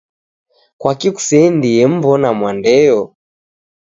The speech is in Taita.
Kwaki kuseendie mw'ona mwandeyo.